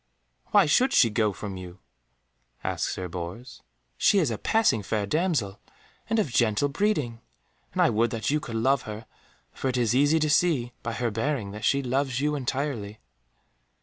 "Why should she go from you?" asked Sir Bors. "She is a passing fair damsel, and of gentle breeding, and I would that you could love her, for it is easy to see by her bearing that she loves you entirely."